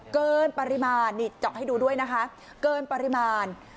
เกินปริมาณนี่เจาะให้ดูด้วยนะคะเกินปริมาณ